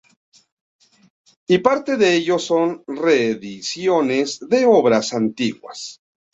Y parte de ellos son reediciones de obras antiguas.